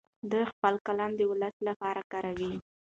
دی خپل قلم د ولس لپاره کاروي.